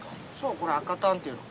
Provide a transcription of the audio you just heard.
これ赤たんっていうの。